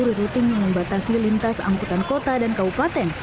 yang menurut tim yang membatasi lintas angkutan kota dan kabupaten